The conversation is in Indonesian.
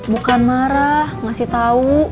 bukan marah ngasih tahu